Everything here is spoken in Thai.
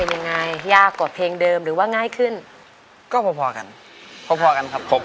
เป็นยังไงยากกว่าเพลงเดิมหรือว่าง่ายขึ้นก็พอพอกันพอพอกันครับครบ